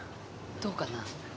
どうかな？